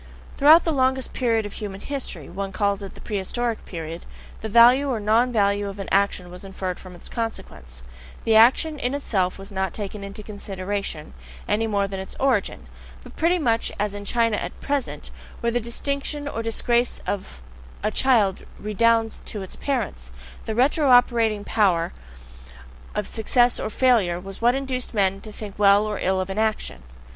Throughout the longest period of human history one calls it the prehistoric period the value or non value of an action was inferred from its CONSEQUENCES; the action in itself was not taken into consideration, any more than its origin; but pretty much as in China at present, where the distinction or disgrace of a child redounds to its parents, the retro operating power of success or failure was what induced men to think well or ill of an action.